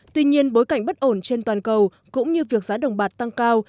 tuy nhiên bối cảnh bất ổn trên toàn cầu cũng như việc giá đồng bạc tăng cao